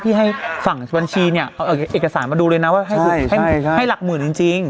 พี่ให้ฝั่งวันชีนเนี่ยเอาเอกสารมาดูเลยนะว่าใช่ใช่ใช่ให้หลักหมื่นจริงจริง